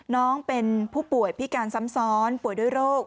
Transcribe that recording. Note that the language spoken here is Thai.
น้องเป็นผู้ป่วยพิการซ้ำซ้อนป่วยด้วยโรค